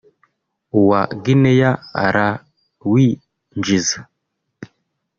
uwa Guinea arawinjiza